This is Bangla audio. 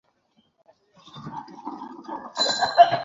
মানে কী এসবের--- আপনারা ঠিকই শুনেছেন।